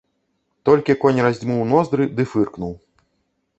Толькі конь раздзьмуў ноздры ды фыркнуў.